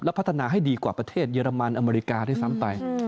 พัฒนาให้ดีกว่าประเทศเยอรมันอเมริกาด้วยซ้ำไป